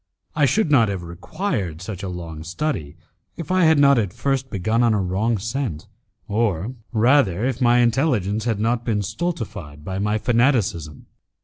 I should not have required such a long study, if I had not at first begun on a wrong scent, or rather if my intelligence had not been stultified by my fanaticism.